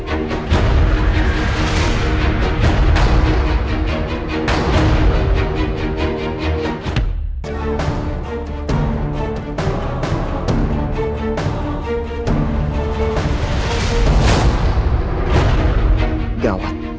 saya akan pergi dari sini